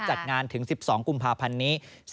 จัดงานถึง๑๒กุมภาพันธ์นี้